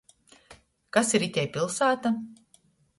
Kas ir itei piļsāta?